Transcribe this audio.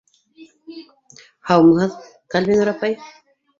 - Һаумыһығыҙ, Ҡәлбинур апай!